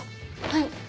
はい。